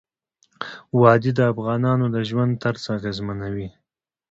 وادي د افغانانو د ژوند طرز اغېزمنوي.